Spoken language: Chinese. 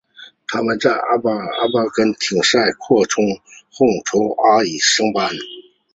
他们在阿根廷联赛扩充后从阿乙升班。